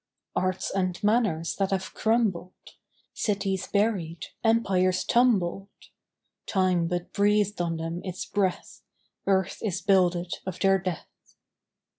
Arts and manners that have crumbled; Cities buried; empires tumbled: Time but breathed on them its breath; Earth is builded of their death.